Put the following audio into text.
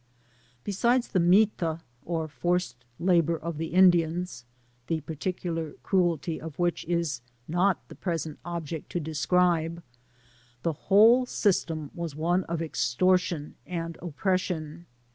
Besides the mitai or fdutsed labmir ei ihe IndknS) (the particular cruelty of which it is not the ^"esent olgect to describe,) the whole system watt one of extortion and oppression*.